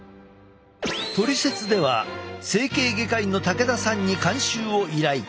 「トリセツ」では整形外科医の武田さんに監修を依頼。